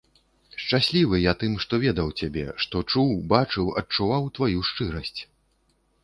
Шчаслівы я тым, што ведаў цябе, што чуў, бачыў, адчуваў тваю шчырасць.